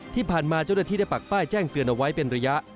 ที่ผ่านมาเจ้าหน้าที่ได้ปักป้ายแจ้งเตือนเอาไว้เป็นระยะ